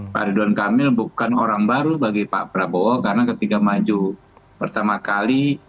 pak ridwan kamil bukan orang baru bagi pak prabowo karena ketika maju pertama kali